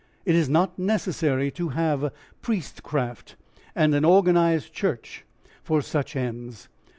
It is not necessary to have priestcraft and an organised church for such ends.